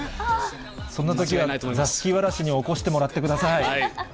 そんなときは座敷童に起こしてもらってください。